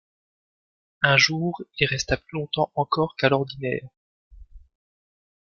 Un jour il resta plus longtemps encore qu’à l’ordinaire.